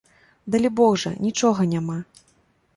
Далібог жа, нічога няма.